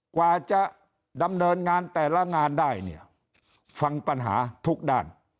กว่าจะดำเนินงานแต่ละงานได้เนี่ยฟังปัญหาทุกด้าน